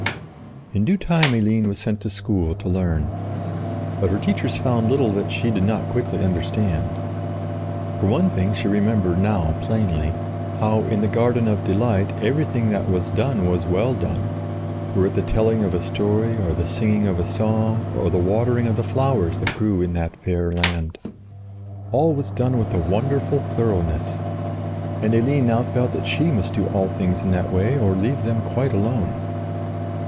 In due time Eline was sent to school to learn. But her teachers found little that she did not quickly understand. For one thing she remembered now plainly, how in the garden of delight everything that was done was well done—were it the telling of a story or the singing of a song or the watering of the flowers that grew in that fair land. All was done with a wonderful thoroughness, and Eline now felt that she must do all things in that way or leave them quite alone.